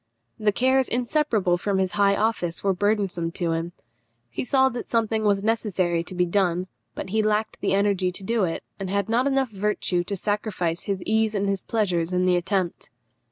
The cares inseparable from his high office were burdensome to him. He saw that something was necessary to be done; but he lacked the energy to do it, and had not virtue enough to sacrifice his ease and his pleasures in the attempt.